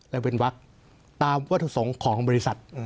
และเว้นวักตามวัตถุสมของบริษัท